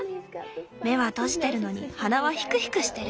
目は閉じてるのに鼻はヒクヒクしてる。